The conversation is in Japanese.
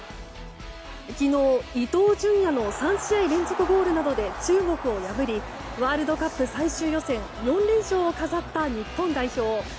昨日、伊東純也の３試合連続ゴールなどで中国を破りワールドカップ最終予選４連勝を飾った日本代表。